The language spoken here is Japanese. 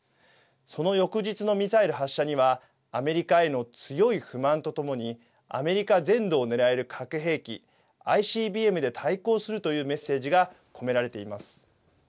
その翌日のミサイル発射にはアメリカへの強い不満とともにアメリカ全土を狙える核兵器・ＩＣＢＭで対抗するというメッセージが込められています。